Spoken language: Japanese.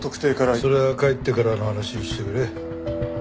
それは帰ってからの話にしてくれ。